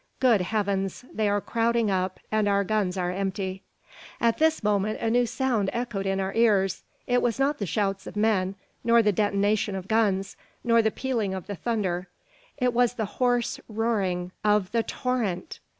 Good heavens! they are crowding up, and our guns are empty! At this moment a new sound echoed in our ears. It was not the shouts of men, nor the detonation of guns, nor the pealing of the thunder. It was the hoarse roaring: of the torrent!